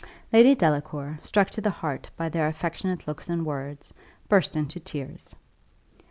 Lady Delacour, struck to the heart by their affectionate looks and words, burst into tears.